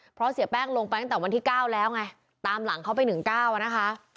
เพราะเสียแป้งลงไปตั้งแต่วันที่๙แล้วไงตามหลังเขาไป๑๙อ่ะนะคะ